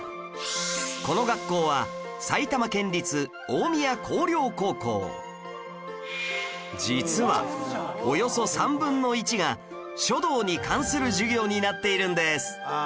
この学校は実はおよそ３分の１が書道に関する授業になっているんです